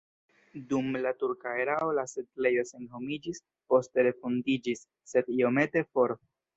Dum la turka erao la setlejo senhomiĝis, poste refondiĝis, sed iomete for.